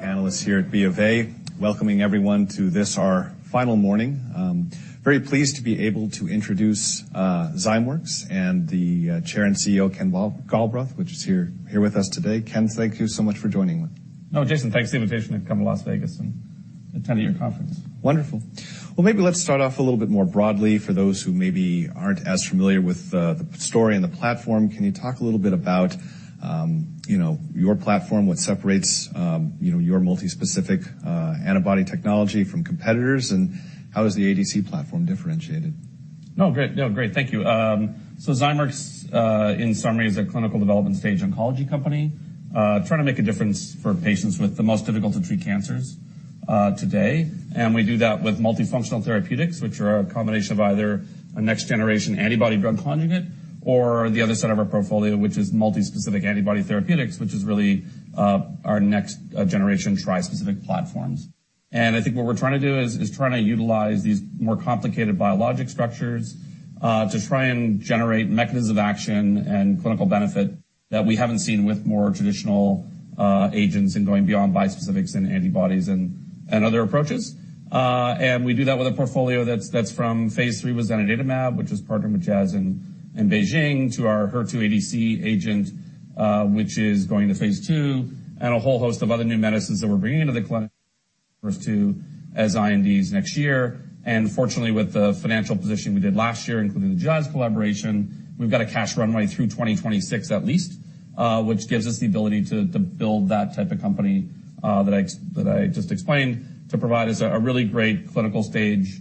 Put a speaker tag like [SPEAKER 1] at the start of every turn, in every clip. [SPEAKER 1] Biotech analyst here at BofA, welcoming everyone to this, our final morning. very pleased to be able to introduce Zymeworks and the Chair and CEO, Ken Galbraith, which is here with us today. Ken, thank you so much for joining me.
[SPEAKER 2] Oh, Jason, thanks for the invitation to come to Las Vegas and attend your conference.
[SPEAKER 1] Wonderful. Maybe let's start off a little bit more broadly for those who maybe aren't as familiar with the story and the platform. Can you talk a little bit about, you know, your platform, what separates, you know, your multi-specific antibody technology from competitors, and how is the ADC platform differentiated?
[SPEAKER 2] No, great. No, great, thank you. Zymeworks, in summary, is a clinical development stage oncology company, trying to make a difference for patients with the most difficult to treat cancers, today. We do that with multifunctional therapeutics, which are a combination of either a next generation antibody-drug conjugate or the other side of our portfolio, which is multi-specific antibody therapeutics, which is really, our next generation tri-specific platforms. I think what we're trying to do is trying to utilize these more complicated biologic structures to try and generate mechanisms of action and clinical benefit that we haven't seen with more traditional agents in going beyond bispecifics and antibodies and other approaches. We do that with a portfolio that's from phase III with zanidatamab, which is partnered with Jazz in BeiGene, to our HER2 ADC agent, which is going to phase II, and a whole host of other new medicines that we're bringing into the clinic for us to as INDs next year. Fortunately, with the financial position we did last year, including the Jazz collaboration, we've got a cash runway through 2026 at least, which gives us the ability to build that type of company that I just explained, to provide us a really great clinical stage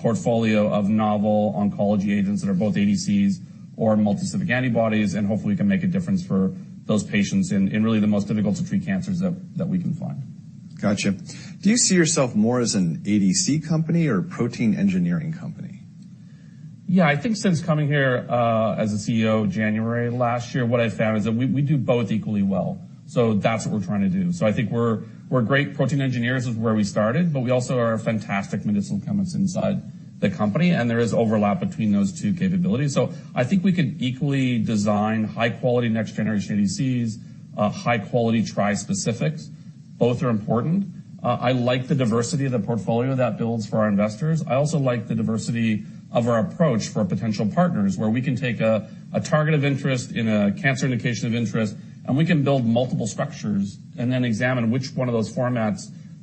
[SPEAKER 2] portfolio of novel oncology agents that are both ADCs or multi-specific antibodies. Hopefully can make a difference for those patients in really the most difficult to treat cancers that we can find.
[SPEAKER 1] Gotcha. Do you see yourself more as an ADC company or protein engineering company?
[SPEAKER 2] Yeah. I think since coming here, as a CEO January last year, what I found is that we do both equally well. That's what we're trying to do. I think we're great protein engineers, is where we started, but we also are fantastic medicinal chemists inside the company, and there is overlap between those two capabilities. I think we could equally design high quality next generation ADCs, high quality tri-specifics. Both are important. I like the diversity of the portfolio that builds for our investors. I also like the diversity of our approach for potential partners, where we can take a target of interest in a cancer indication of interest, and we can build multiple structures and then examine which one of those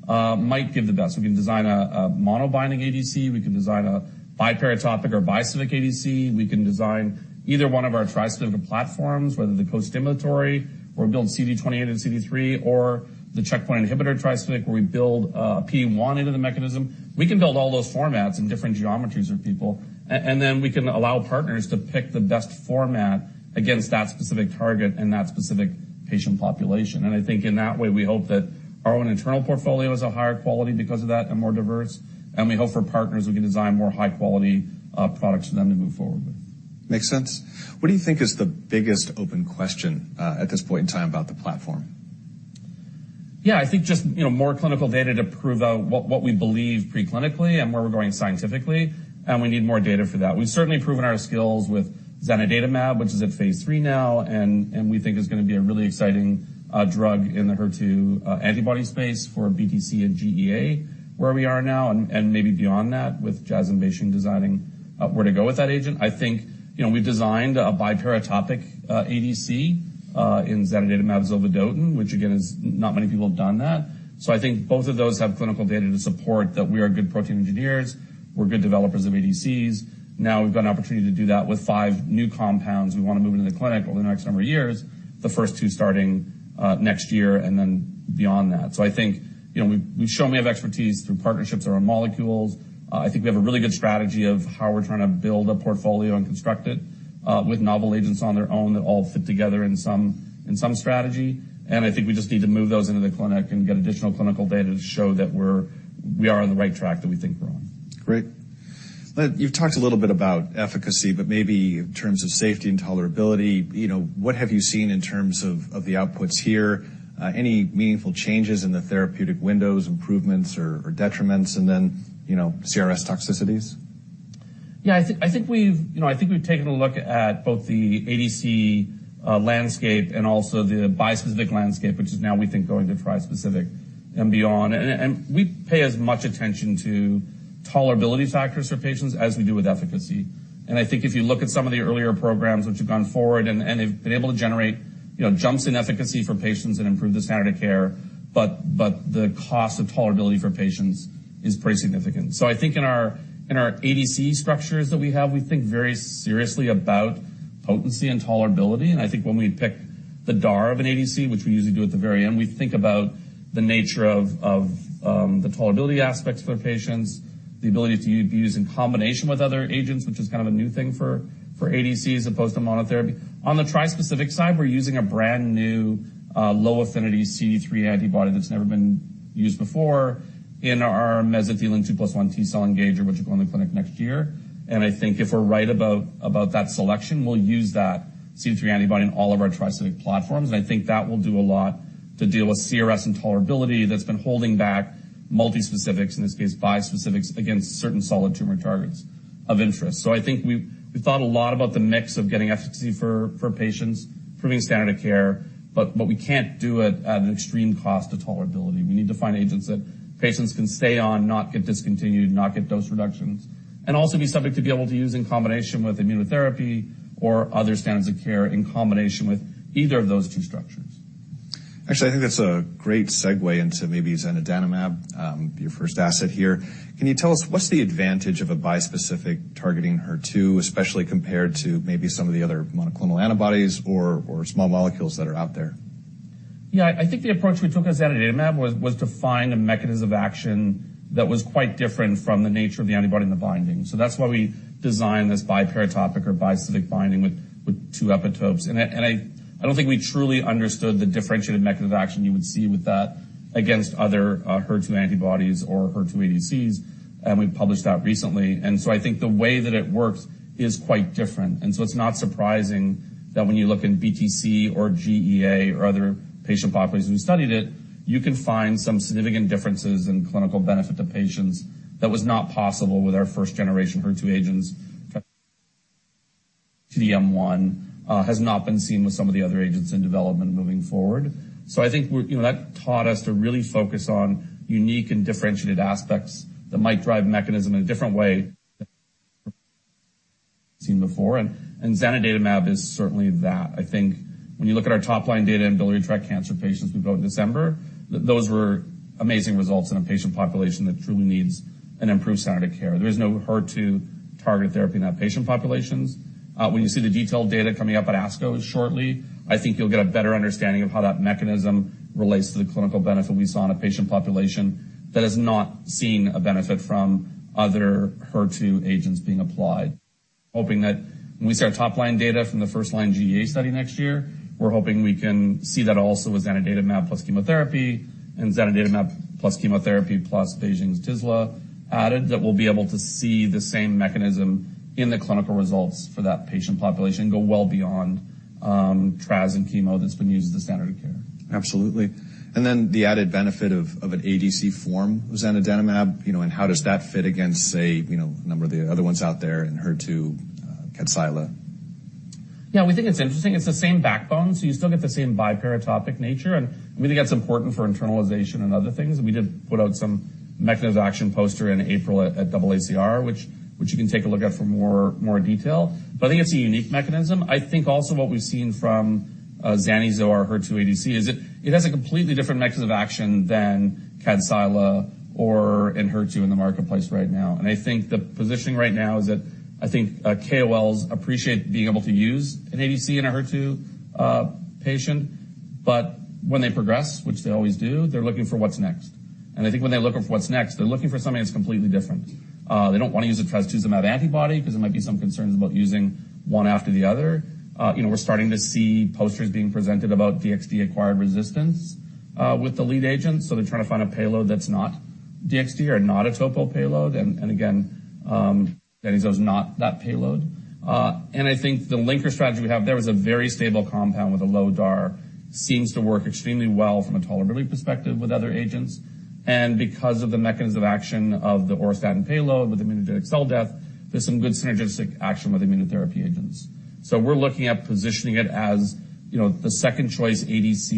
[SPEAKER 2] formats, might give the best. We can design a monobinding ADC, we can design a biparatopic or bispecific ADC. We can design either one of our tri-specific platforms, whether they're costimulatory or build CD28 and CD3 or the checkpoint inhibitor tri-specific, where we build PD-1 into the mechanism. We can build all those formats in different geometries with people. Then we can allow partners to pick the best format against that specific target and that specific patient population. I think in that way, we hope that our own internal portfolio is of higher quality because of that and more diverse. We hope for partners, we can design more high quality products for them to move forward with.
[SPEAKER 1] Makes sense. What do you think is the biggest open question, at this point in time about the platform?
[SPEAKER 2] I think just, you know, more clinical data to prove out what we believe pre-clinically and where we're going scientifically, and we need more data for that. We've certainly proven our skills with zanidatamab, which is at phase III now, and we think is gonna be a really exciting drug in the HER2 antibody space for BTC and GEA, where we are now, and maybe beyond that, with Jazz innovation designing where to go with that agent. I think, you know, we've designed a biparatopic ADC in zanidatamab zovodotin, which again is not many people have done that. I think both of those have clinical data to support that we are good protein engineers. We're good developers of ADCs. We've got an opportunity to do that with five new compounds we wanna move into the clinic over the next number of years, the first two starting next year and then beyond that. I think, you know, we've shown we have expertise through partnerships that are molecules. I think we have a really good strategy of how we're trying to build a portfolio and construct it with novel agents on their own that all fit together in some, in some strategy. I think we just need to move those into the clinic and get additional clinical data to show that we are on the right track that we think we're on.
[SPEAKER 1] Great. You've talked a little bit about efficacy, maybe in terms of safety and tolerability, you know, what have you seen in terms of the outputs here? Any meaningful changes in the therapeutic windows, improvements or detriments, you know, CRS toxicities?
[SPEAKER 2] Yeah, I think we've, you know, I think we've taken a look at both the ADC landscape and also the bispecific landscape, which is now we think going to tri-specific and beyond. We pay as much attention to tolerability factors for patients as we do with efficacy. I think if you look at some of the earlier programs which have gone forward and have been able to generate, you know, jumps in efficacy for patients and improve the standard of care, but the cost of tolerability for patients is pretty significant. I think in our ADC structures that we have, we think very seriously about potency and tolerability. I think when we pick the DAR of an ADC, which we usually do at the very end, we think about the nature of the tolerability aspects for patients, the ability to use in combination with other agents, which is kind of a new thing for ADCs as opposed to monotherapy. On the tri-specific side, we're using a brand new low affinity CD3 antibody that's never been used before in our mesothelin two plus one T-cell engager, which will go in the clinic next year. I think if we're right about that selection, we'll use that CD3 antibody in all of our tri-specific platforms. I think that will do a lot to deal with CRS intolerability that's been holding back multispecifics, in this case, bispecifics against certain solid tumor targets of interest. I think we've thought a lot about the mix of getting efficacy for patients, improving standard of care, but what we can't do it at an extreme cost to tolerability. We need to find agents that patients can stay on, not get discontinued, not get dose reductions, and also be something to be able to use in combination with immunotherapy or other standards of care in combination with either of those two structures.
[SPEAKER 1] Actually, I think that's a great segue into maybe zanidatamab, your first asset here. Can you tell us what's the advantage of a bispecific targeting HER2, especially compared to maybe some of the other monoclonal antibodies or small molecules that are out there?
[SPEAKER 2] Yeah. I think the approach we took with zanidatamab was to find a mechanism of action that was quite different from the nature of the antibody and the binding. That's why we designed this biparatopic or bispecific binding with two epitopes. I don't think we truly understood the differentiated mechanism of action you would see with that against other HER2 antibodies or HER2 ADCs, we published that recently. I think the way that it works is quite different. It's not surprising that when you look in BTC or GEA or other patient populations we studied it, you can find some significant differences in clinical benefit to patients that was not possible with our first generation HER2 agents. T-DM1 has not been seen with some of the other agents in development moving forward. I think you know, that taught us to really focus on unique and differentiated aspects that might drive mechanism in a different way than seen before. zanidatamab is certainly that. I think when you look at our top line data in biliary tract cancer patients we got in December, those were amazing results in a patient population that truly needs an improved standard of care. There is no HER2 target therapy in that patient populations. When you see the detailed data coming up at ASCO shortly, I think you'll get a better understanding of how that mechanism relates to the clinical benefit we saw in a patient population that has not seen a benefit from other HER2 agents being applied. Hoping that when we see our top line data from the first line GEA study next year, we're hoping we can see that also with zanidatamab plus chemotherapy, and zanidatamab plus chemotherapy plus BeiGene's tislelizumab added, that we'll be able to see the same mechanism in the clinical results for that patient population go well beyond Trastuzumab and chemo that's been used as the standard of care.
[SPEAKER 1] Absolutely. The added benefit of an ADC form, zanidatamab, you know, and how does that fit against say, you know, a number of the other ones out there in HER2, KADCYLA?
[SPEAKER 2] Yeah, we think it's interesting. It's the same backbone, so you still get the same biparatopic nature, and we think that's important for internalization and other things. We did put out some mechanism action poster in April at AACR, which you can take a look at for more detail. I think it's a unique mechanism. I think also what we've seen from Zani-Zo or HER2 ADC is it has a completely different mechanism of action than KADCYLA or in HER2 in the marketplace right now. I think the positioning right now is that I think KOLs appreciate being able to use an ADC in a HER2 patient. When they progress, which they always do, they're looking for what's next. I think when they're looking for what's next, they're looking for something that's completely different. They don't want to use a trastuzumab antibody 'cause there might be some concerns about using one after the other. You know, we're starting to see posters being presented about DXd acquired resistance with the lead agent, so they're trying to find a payload that's not DXd or not a topo payload. Again, Zani-Zo's not that payload. I think the linker strategy we have there is a very stable compound with a low DAR, seems to work extremely well from a tolerability perspective with other agents. Because of the mechanisms of action of the auristatin payload with immunogenic cell death, there's some good synergistic action with immunotherapy agents. We're looking at positioning it as, you know, the second choice ADC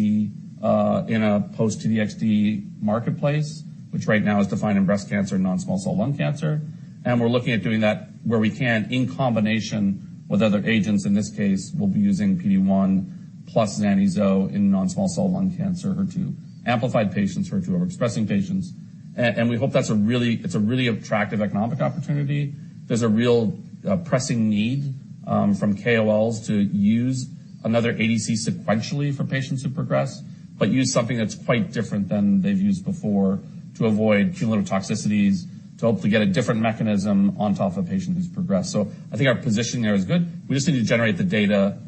[SPEAKER 2] in a post-T-DXd marketplace, which right now is defined in breast cancer and non-small cell lung cancer. We're looking at doing that where we can in combination with other agents. In this case, we'll be using PD-1 plus Zani-Zo in non-small cell lung cancer HER2 amplified patients, HER2 overexpressing patients. We hope that's a really, it's a really attractive economic opportunity. There's a real pressing need from KOLs to use another ADC sequentially for patients who progress, but use something that's quite different than they've used before to avoid cumulative toxicities, to hopefully get a different mechanism on top of a patient who's progressed. I think our position there is good. We just need to generate the data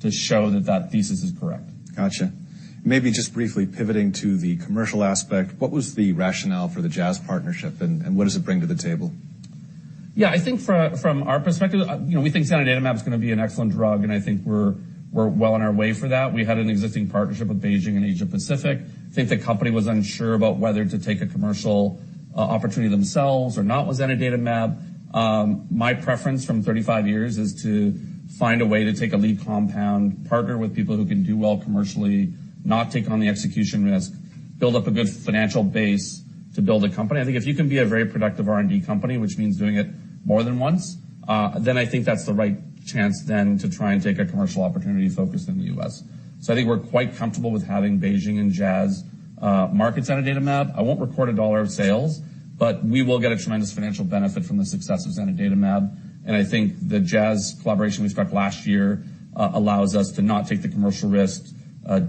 [SPEAKER 2] to show that that thesis is correct.
[SPEAKER 1] Gotcha. Maybe just briefly pivoting to the commercial aspect, what was the rationale for the Jazz partnership and what does it bring to the table?
[SPEAKER 2] Yeah. I think from our perspective, you know, we think zanidatamab is gonna be an excellent drug, and I think we're well on our way for that. We had an existing partnership with BeiGene in Asia Pacific. I think the company was unsure about whether to take a commercial opportunity themselves or not with zanidatamab. My preference from 35 years is to find a way to take a lead compound, partner with people who can do well commercially, not take on the execution risk, build up a good financial base to build a company. I think if you can be a very productive R&D company, which means doing it more than once, then I think that's the right chance then to try and take a commercial opportunity focused in the U.S. I think we're quite comfortable with having BeiGene and Jazz market zanidatamab. I won't report $1 of sales, we will get a tremendous financial benefit from the success of zanidatamab. I think the Jazz collaboration we struck last year allows us to not take the commercial risk.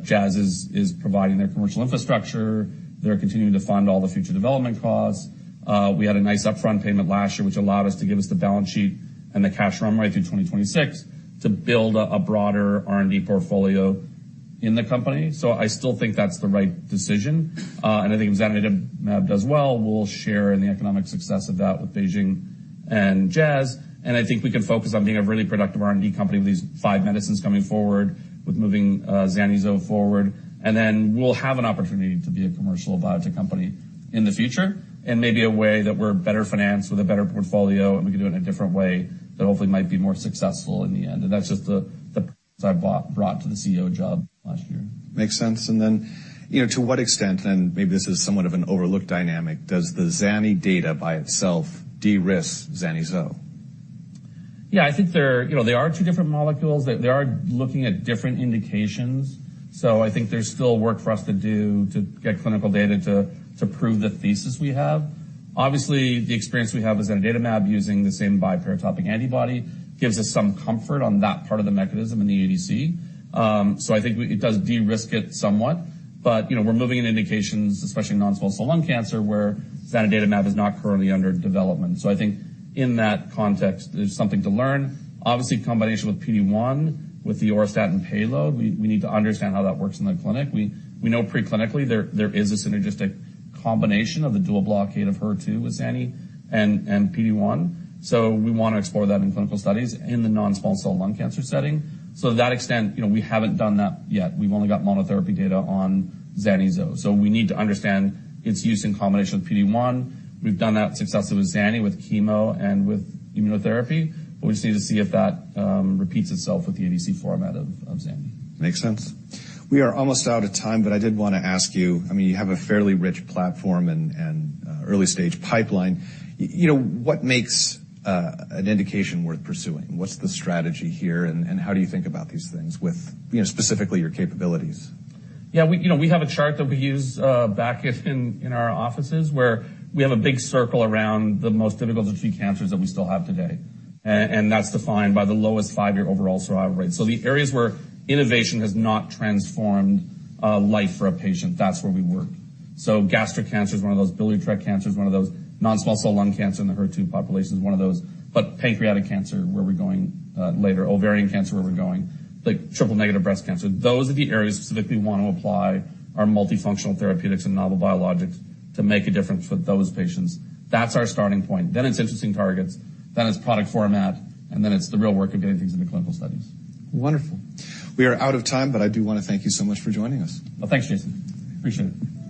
[SPEAKER 2] Jazz is providing their commercial infrastructure. They're continuing to fund all the future development costs. We had a nice upfront payment last year, which allowed us to give us the balance sheet and the cash run right through 2026 to build a broader R&D portfolio in the company. I still think that's the right decision. I think if zanidatamab does well, we'll share in the economic success of that with BeiGene and Jazz, and I think we can focus on being a really productive R&D company with these five medicines coming forward, with moving Zani forward. Then we'll have an opportunity to be a commercial biotech company in the future, and maybe a way that we're better financed with a better portfolio, and we can do it in a different way that hopefully might be more successful in the end. That's just the I brought to the CEO job last year.
[SPEAKER 1] Makes sense. Then, you know, to what extent, and maybe this is somewhat of an overlooked dynamic, does the Zani data by itself de-risk Zani zo?
[SPEAKER 2] You know, they are two different molecules. They are looking at different indications. I think there's still work for us to do to get clinical data to prove the thesis we have. Obviously, the experience we have with zanidatamab using the same biparatopic antibody gives us some comfort on that part of the mechanism in the ADC. I think it does de-risk it somewhat. You know, we're moving in indications, especially in non-small cell lung cancer, where zanidatamab is not currently under development. I think in that context, there's something to learn. Obviously, combination with PD-1, with the auristatin payload, we need to understand how that works in the clinic. We know preclinically there is a synergistic combination of the dual blockade of HER2 with Zani and PD-1. We wanna explore that in clinical studies in the non-small cell lung cancer setting. To that extent, you know, we haven't done that yet. We've only got monotherapy data on Zani. We need to understand its use in combination with PD-1. We've done that successfully with Zani, with chemo and with immunotherapy, but we just need to see if that repeats itself with the ADC format of Zani.
[SPEAKER 1] Makes sense. We are almost out of time, but I did wanna ask you, I mean, you have a fairly rich platform and early stage pipeline. You know, what makes an indication worth pursuing? What's the strategy here, and how do you think about these things with, you know, specifically your capabilities?
[SPEAKER 2] Yeah, we, you know, we have a chart that we use back in our offices where we have a big circle around the most difficult to treat cancers that we still have today. That's defined by the lowest five-year overall survival rate. The areas where innovation has not transformed life for a patient, that's where we work. Gastric cancer is one of those, biliary tract cancer is one of those, non-small cell lung cancer in the HER2 population is one of those. Pancreatic cancer, where we're going later, ovarian cancer, where we're going, like triple-negative breast cancer, those are the areas specifically we wanna apply our multifunctional therapeutics and novel biologics to make a difference with those patients. That's our starting point. It's interesting targets, then it's product format, and then it's the real work of getting things into clinical studies.
[SPEAKER 1] Wonderful. We are out of time. I do wanna thank you so much for joining us.
[SPEAKER 2] Well, thanks, Jason. Appreciate it.